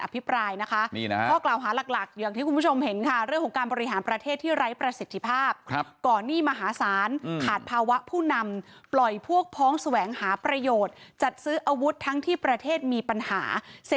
ปล่อยพวกพ้องแสวงหาประโยชน์จัดซื้ออาวุธทั้งที่ประเทศมีปัญหา